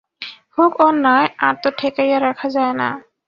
হোক অন্যায়, আর তো ঠেকাইয়া রাখা যায় না।